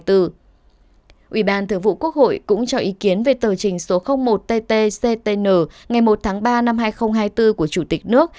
ủy ban thường vụ quốc hội cũng cho ý kiến về tờ trình số một tt ctn ngày một tháng ba năm hai nghìn hai mươi bốn của chủ tịch nước